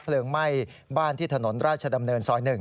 เนื้อเพลิงไหม้บ้านที่ถนนราชดำเนินซ้อย๑